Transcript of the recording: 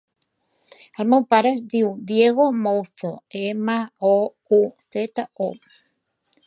El meu pare es diu Diego Mouzo: ema, o, u, zeta, o.